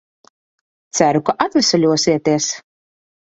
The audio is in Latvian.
Ceru, ka atveseļosieties.